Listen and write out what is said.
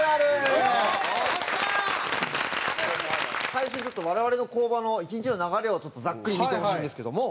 最初にちょっと我々の工場の１日の流れをざっくり見てほしいんですけども。